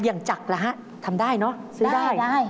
อย่างจักระฮะทำได้เนอะซื้อได้